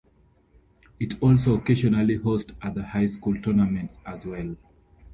It also occasionally host other high school tournaments as well.